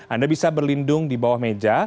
anda bisa berlindung di bawah meja